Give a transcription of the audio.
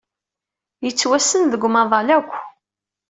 Yettwassen deg umaḍal akk.